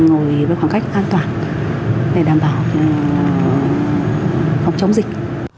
chúng ta đang ngồi với khoảng cách an toàn để đảm bảo phòng chống dịch